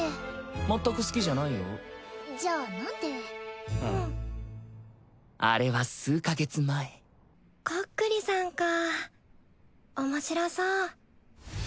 全く好きじゃないよじゃあ何でうんあれは数カ月前こっくりさんかあ面白そう